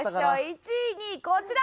１位２位こちら！